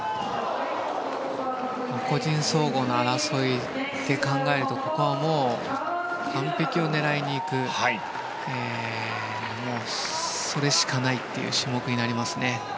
個人総合の争いで考えるとここはもう完璧を狙いに行くそれしかないという種目になります。